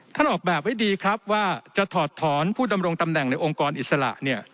ออกแบบไว้ดีครับว่าจะถอดถอนผู้ดำรงตำแหน่งในองค์กรอิสระเนี่ย